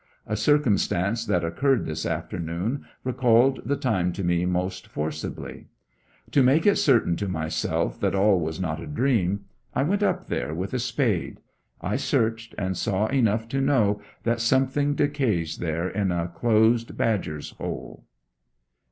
A circumstance that occurred this afternoon recalled the time to me most forcibly. To make it certain to myself that all was not a dream, I went up there with a spade; I searched, and saw enough to know that something decays there in a closed badger's hole.'